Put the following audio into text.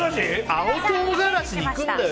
青唐辛子いくんだよ